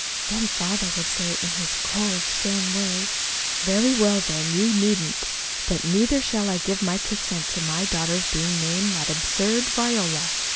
Then Father would say in his cold, stern way: "Very well, then, you needn't. But neither shall I give my consent to my daughter's being named that absurd Viola.